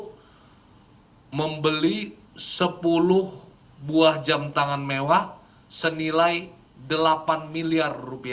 hai membeli sepuluh buah jam tangan mewah senilai delapan miliar rupiah